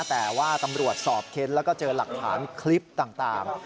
แต่ว่าตำรวจสอบเค้นแล้วก็เจอหลักฐานคลิปต่าง